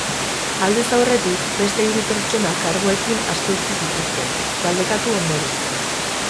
Aldez aurretik, beste hiru pertsona karguekin aske utzi zituzten, galdekatu ondoren.